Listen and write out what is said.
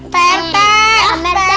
tidurnya di kamar aja